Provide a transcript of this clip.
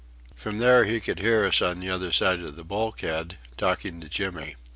From there he could hear us on the other side of the bulkhead, talking to Jimmy.